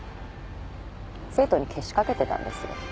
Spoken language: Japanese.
生徒にけしかけてたんですよ。